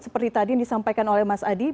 seperti tadi yang disampaikan oleh mas adi